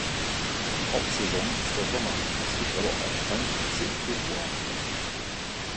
Die Hauptsaison ist der Sommer, es gibt aber auch eine kleine Spitze im Februar.